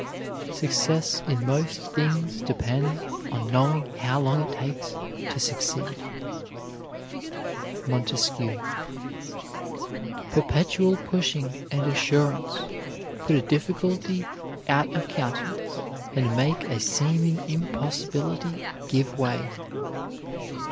Success in most things depends on knowing how long it takes to succeed. MONTESQUIEU. Perpetual pushing and assurance put a difficulty out of countenance, and make a seeming impossibility give way.